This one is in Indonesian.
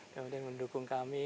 kemudian mendukung kami